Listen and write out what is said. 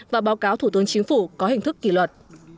và báo cáo thủ tướng chính phủ có hình thức kỷ luật